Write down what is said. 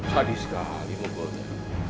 sadi sekali mungkulnya